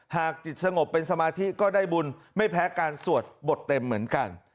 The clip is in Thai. หากจิตสงบเป็นสมาธิก็ได้บุญไม่แพ้การสวดบทเต็มเหมือนกัน